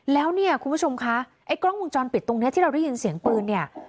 แล้วเนี่ยคุณผู้ชมคะไอ้กล้องวงจรปิดตรงนี้ที่เราได้ยินเสียงปืนเนี่ย